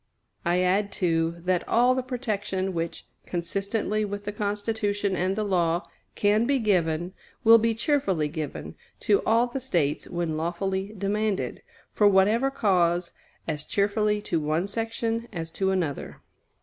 I add, too, that all the protection which, consistently with the Constitution and the law, can be given, will be cheerfully given to all the States when lawfully demanded, for whatever cause, as cheerfully to one section as to another.